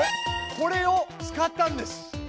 これを使ったんです。